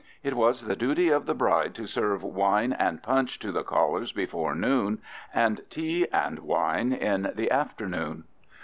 It was the duty of the bride to serve wine and punch to the callers before noon and tea and wine in the afternoon.